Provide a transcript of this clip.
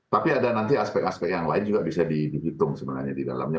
tapi ada nanti aspek aspek yang lain juga bisa dihitung sebenarnya di dalamnya